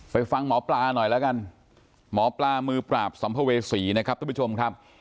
ฟังหมอปลาหน่อยแล้วกันหมอปลามือปราบสัมภเวษีนะครับทุกผู้ชมครับ